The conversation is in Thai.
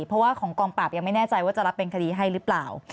เพราะว่าของกองปราบยังไม่แน่ใจว่าจะรับเป็นคดีให้หรือเปล่า